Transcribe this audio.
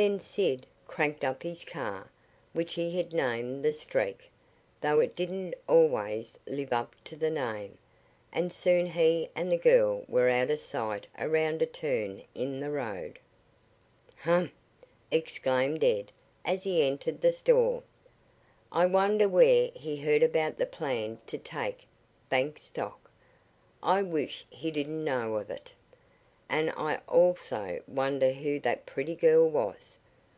Then Sid cranked up his car, which he had named the Streak, though it didn't always live up to the name, and soon he and the girl were out of sight around a turn in the road. "Humph!" exclaimed Ed as he entered the store. "I wonder where he heard about my plan to take bank stock? I wish he didn't know of it. And I also wonder who that pretty girl was?"